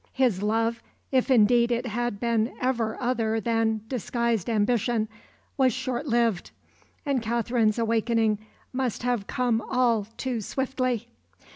His love, if indeed it had been ever other than disguised ambition, was short lived, and Katherine's awakening must have come all too swiftly.